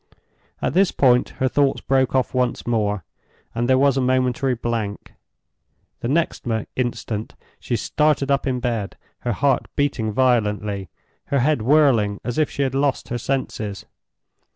At this point her thoughts broke off once more, and there was a momentary blank. The next instant she started up in bed; her heart beating violently, her head whirling as if she had lost her senses.